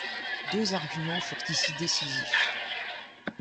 Deux arguments furent ici décisifs.